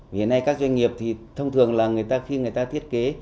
hiện nay các doanh nghiệp thì thông thường là khi người ta thiết kế